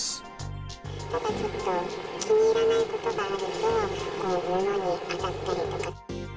ただちょっと、気に入らないことがあると、物に当たったりとか。